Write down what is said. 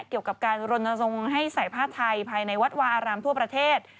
เกี่ยวกับการรณรงค์ให้ใส่ผ้าไทยภายในวัดวาอารามทั่วประเทศ